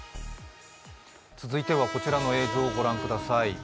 続いてはこちらの映像をご覧ください。